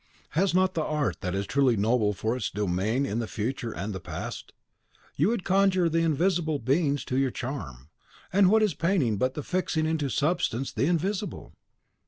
Has not the art that is truly noble for its domain the future and the past? You would conjure the invisible beings to your charm; and what is painting but the fixing into substance the Invisible?